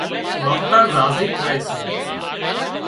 ماوتر راضي ٿائي سي